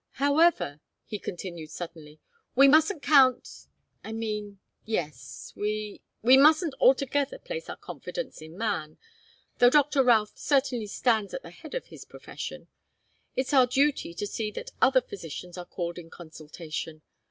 "However," he continued, suddenly, "we mustn't count I mean yes we we mustn't altogether place our confidence in man though Doctor Routh certainly stands at the head of his profession. It's our duty to see that other physicians are called in consultation.